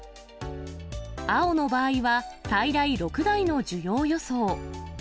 青の場合は、最大６台の需要予想。